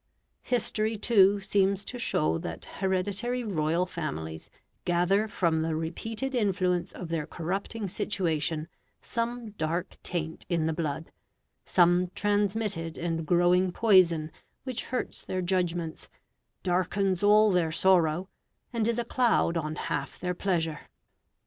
History, too, seems to show that hereditary royal families gather from the repeated influence of their corrupting situation some dark taint in the blood, some transmitted and growing poison which hurts their judgments, darkens all their sorrow, and is a cloud on half their pleasure.